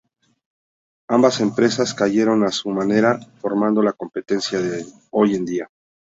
Ambas empresas decayeron a su manera, formando la competencia de hoy en día.